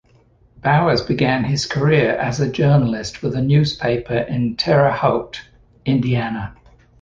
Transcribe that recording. Bowers began his career as a journalist with a newspaper in Terre Haute, Indiana.